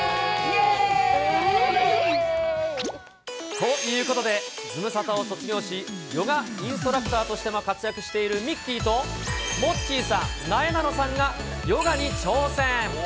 ということで、ズムサタを卒業し、ヨガインストラクターとしても活躍しているみっきーと、モッチーさん、なえなのさんがヨガに挑戦。